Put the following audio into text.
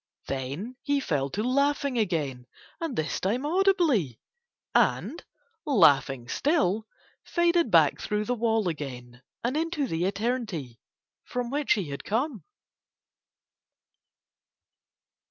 Then he fell to laughing again and this time audibly; and, laughing still, faded back through the wall again and into the eternity from which he had come.